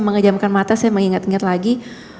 mengejamkan mata saya mengingat ingat lagi